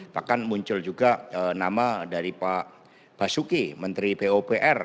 bahkan muncul juga nama dari pak basuki menteri pupr